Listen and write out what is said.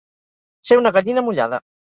Ser una gallina mullada.